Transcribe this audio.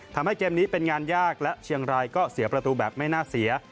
ทำให้เกมนี้เป็นงานยากและเชียงรายก็เสียประตูแบบไม่น่าเสีย